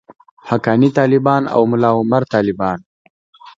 حقاني طالبان او ملاعمر طالبان.